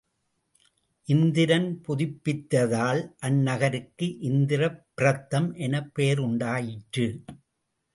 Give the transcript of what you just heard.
இந்திரன் புதுப்பித்ததால் அந்நகருக்கு இந்திரப்பிரத்தம் எனப் பெயர் உண்டாயிற்று.